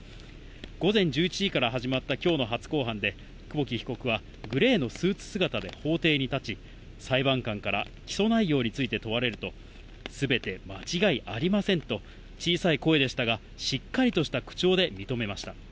午前１１時から始まったきょうの初公判で、久保木被告はグレーのスーツ姿で法廷に立ち、裁判官から起訴内容について問われると、すべて間違いありませんと、小さい声でしたが、しっかりとした口調で認めました。